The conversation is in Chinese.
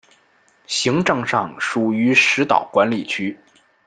行政上属于石岛管理区。